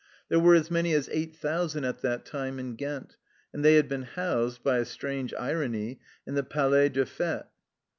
There were as many as eight thousand at that time in Ghent, and they had been housed, by a strange irony, in the Palais des Fetes